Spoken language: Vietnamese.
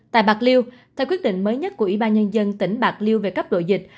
tại bạc liêu theo quyết định mới nhất của ủy ban nhân dân tỉnh bạc liêu về cấp độ dịch